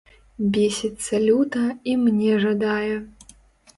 Бесіцца люта і мне жадае.